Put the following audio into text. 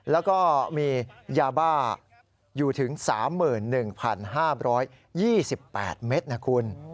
แล้วก็มียาบ้าอยู่ถึง๓๑๕๒๘เมตรนะคุณ